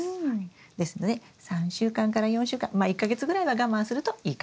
ですので３週間から４週間まあ１か月ぐらいは我慢するといいかな。